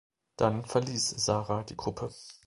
Dann verließ Sara die Gruppe.